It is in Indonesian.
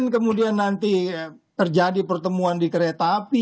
kemudian nanti terjadi pertemuan di kereta api